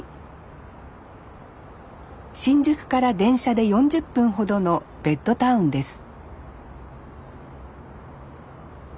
新宿から電車で４０分ほどのベッドタウンです